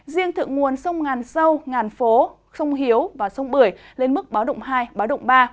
riêng thượng nguồn sông ngàn sâu ngàn phố sông hiếu và sông bưởi lên mức báo động hai báo động ba